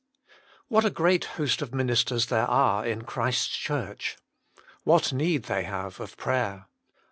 What a great host of ministers there are in Christ s Church. What need they have of prayer.